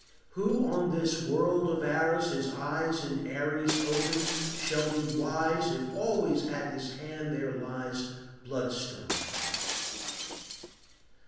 Who on this world of ours his eyes In Aries opens shall be wise If always on his hand there lies A bloodstone.